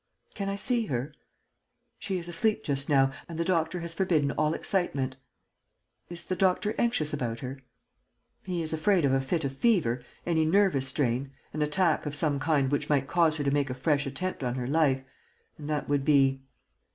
"Can I see her?" "She is asleep just now. And the doctor has forbidden all excitement." "Is the doctor anxious about her?" "He is afraid of a fit of fever, any nervous strain, an attack of some kind which might cause her to make a fresh attempt on her life. And that would be...."